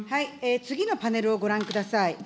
次のパネルをご覧ください。